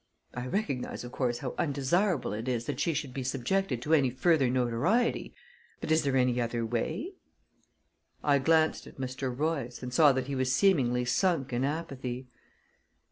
I recognize, of course, how undesirable it is that she should be subjected to any further notoriety, but is there any other way?" I glanced at Mr. Royce, and saw that he was seemingly sunk in apathy.